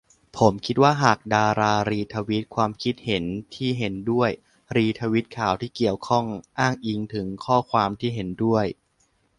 ผมคิดว่าหากดารารีทวีตความคิดเห็นที่เห็นด้วย รีทวีตข่าวที่เกี่ยวข้อง อ้างอิงถึงข้อความที่เห็นด้วย